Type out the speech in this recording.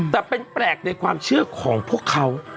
แต่เป็นแปลกในความเชื่อของพวกเขา